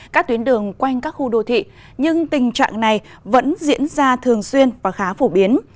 các tuyến đường quanh các khu đô thị nhưng tình trạng này vẫn diễn ra thường xuyên và khá phổ biến